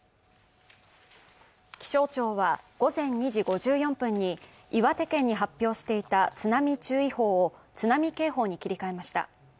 気象庁は午前２時５４分に岩手県に発表していた津波注意報を、津波警報に切り替えました。